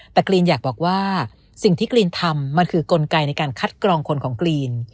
แต่กรีนอยากบอกว่าสิ่งที่กรีนทำมันคือกลไกในการคัดกรองคนของกรีน